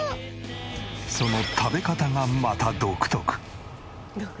その食べ方がまた独特。